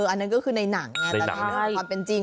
อันนั้นก็คือในหนังแต่ในความเป็นจริง